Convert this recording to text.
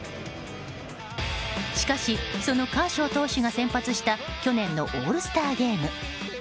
しかし、そのカーショー投手が先発した去年のオールスターゲーム。